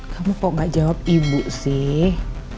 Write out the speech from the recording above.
kamu kok gak jawab ibu sih